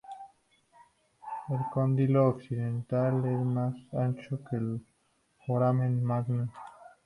El cóndilo occipital es más ancho que el foramen magnum.